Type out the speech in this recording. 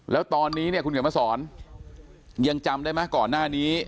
แล้วตอนนี้เนี่ยคุณเขียนมาสอนยังจำได้ไหมก่อนหน้านี้